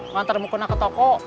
ngantar mau kena ke toko